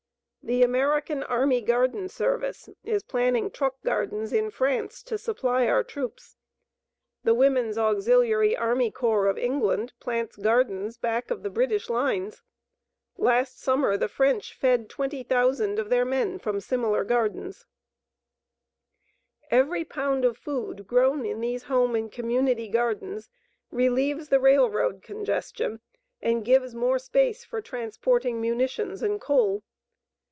The American Army Garden service is planning truck gardens in France to supply our troops. The Woman's Auxiliary Army Corps of England plants gardens back of the British lines. Last summer the French fed 20,000 of their men from similar gardens. EVERY POUND OF FOOD GROWN IN THESE HOME AND COMMUNITY GARDENS RELIEVES THE RAILROAD CONGESTION AND GIVES MORE SPACE FOR TRANSPORTING MUNITIONS AND COAL.